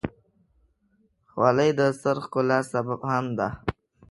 خولۍ د سر د ښکلا سبب هم ده.